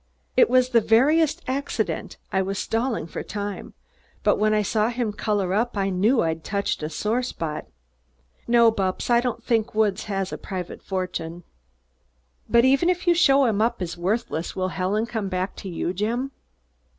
It was the veriest accident I was stalling for time but when I saw him color up I knew I'd touched a sore spot. No, Bupps, I don't think Woods has a private fortune." "But even if you show him up as worthless, will Helen come back to you, Jim?"